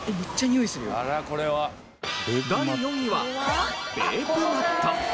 第４位はベープマット。